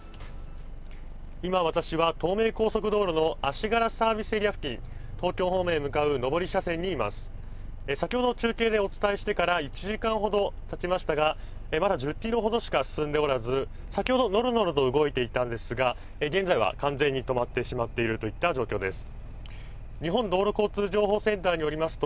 今、私は東名高速道路の足柄サービスエリア付近東京方面へ向かう上り車線にいます、先ほど中継でお伝えしてから１時間ほどたちましたがまだ１０ｋｍほどしか進んでおらず先ほどのろのろと動いていたんですが、現在は完全に止まってしまっているといった状態です。